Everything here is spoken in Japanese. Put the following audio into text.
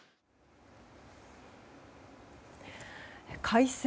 改正